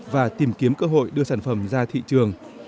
và tìm kiếm cơ hội đưa sản phẩm ra thị trường